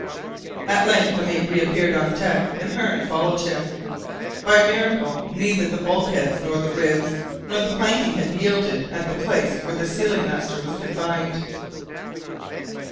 At length the mate reappeared on deck and Hearne followed him! By a miracle, neither the bulkheads, nor the ribs, nor the planking had yielded at the place where the sealing master was confined.